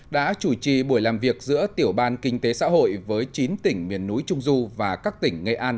đã chủ trì buổi làm việc giữa tiểu ban kinh tế xã hội với chín tỉnh miền núi trung du và các tỉnh nghệ an